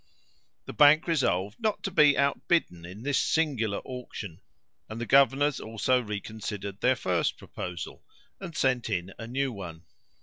The bank resolved not to be outbidden in this singular auction, and the governors also reconsidered their first proposal, and sent in a new one.